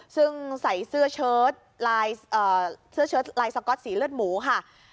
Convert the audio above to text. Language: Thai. ซึ่งใส่เสื้อจะรายไซก๊อตสีเลือดหมูค่ะ